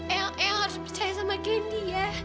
eyang harus percaya sama kenny ya